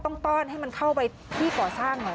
ต้อนให้มันเข้าไปที่ก่อสร้างหน่อย